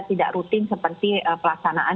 tidak rutin seperti pelaksanaan